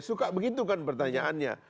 suka begitu kan pertanyaannya